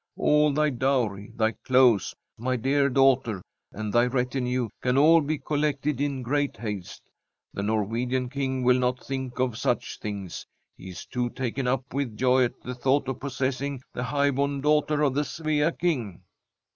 " All thy dowry, thy clothes, my dear daughter, and thy retinue, can all be collected in great haste. The Norwegian King will not think of such things ; he is too taken up with joy at the thought of possessing the high born daughter of the Svea King."